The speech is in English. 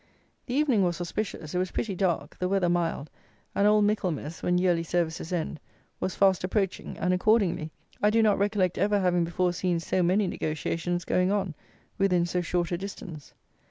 The evening was auspicious; it was pretty dark, the weather mild, and Old Michaelmas (when yearly services end) was fast approaching; and, accordingly, I do not recollect ever having before seen so many negociations going on, within so short a distance.